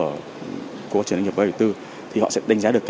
bộ trường doanh nghiệp bảo hiểm tư thì họ sẽ đánh giá được